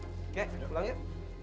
oke pulang yuk